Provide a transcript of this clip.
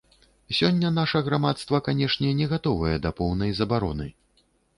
Сёння наша грамадства, канешне, не гатовае да поўнай забароны.